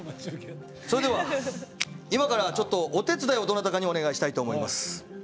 それでは、今からお手伝いをどなたかにお願いしたいと思います。